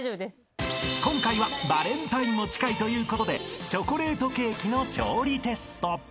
［今回はバレンタインも近いということでチョコレートケーキの調理テスト］